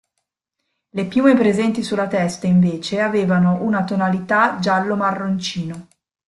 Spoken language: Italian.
Le piume presenti sulla testa invece avevano una tonalità giallo-marroncino.